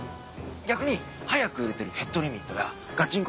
逆に早く売れてるヘッドリミットや『ガチンコ！』